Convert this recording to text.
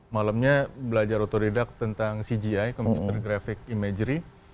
malamnya belajar otodidak tentang cgi computer graphic imagery